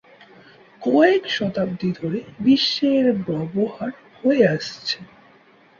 কয়েক শতাব্দী ধরে বিশ্বে এর ব্যবহার হয়ে আসছে।